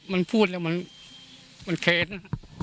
มันพูดแล้วมันแค้น